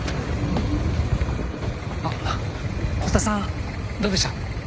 あっ堀田さんどうでした？